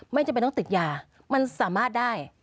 ไม่จำเป็นต้องติดยามันสามารถได้